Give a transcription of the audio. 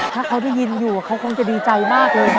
ถ้าเขาได้ยินอยู่เขาคงจะดีใจมากเลย